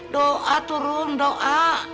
doa tuh rum doa